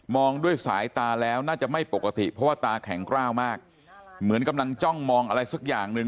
ด้วยสายตาแล้วน่าจะไม่ปกติเพราะว่าตาแข็งกล้าวมากเหมือนกำลังจ้องมองอะไรสักอย่างหนึ่ง